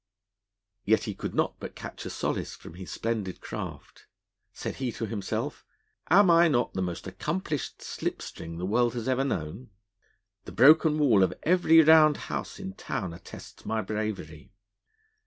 Yet he could not but catch a solace from his splendid craft. Said he to himself: 'Am I not the most accomplished slip string the world has known? The broken wall of every round house in town attests my bravery.